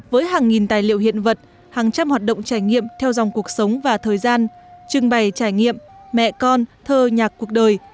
với hàng nghìn tài liệu hiện vật hàng trăm hoạt động trải nghiệm theo dòng cuộc sống và thời gian trưng bày trải nghiệm mẹ con thơ nhạc cuộc đời